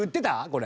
これ。